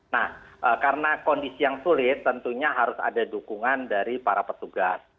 nah karena kondisi yang sulit tentunya harus ada dukungan dari para petugas